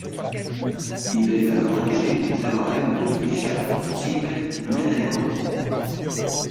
Il est à l'origine du théorème de Fisher-Tippett-Gnedenko.